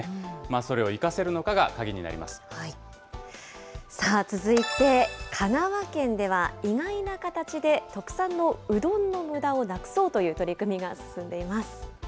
それを生続いて香川県では、意外な形で特産のうどんのむだをなくそうという取り組みが進んでいます。